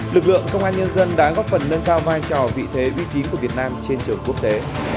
lực lượng công an nhân dân đã góp phần nâng cao vai trò vị thế uy tín của việt nam trên trường quốc tế